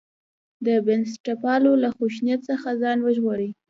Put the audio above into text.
د بنسټپالو له خشونت څخه ځان وژغوري.